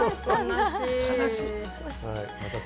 悲しい。